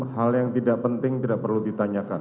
hal yang tidak penting tidak perlu ditanyakan